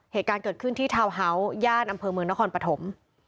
เหตุการณ์เกิดขึ้นที่ทาวน์เฮาส์ย่านอำเภอเมืองนครปฐม